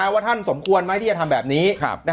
ว่าท่านสมควรไหมที่จะทำแบบนี้